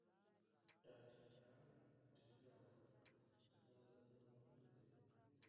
ډاکټر کرایان ټینګار وکړ چې دا عادتونه مهم دي.